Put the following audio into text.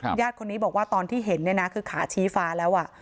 ญาติคนนี้บอกว่าตอนที่เห็นเนี่ยนะคือขาชี้ฟ้าแล้วอ่ะ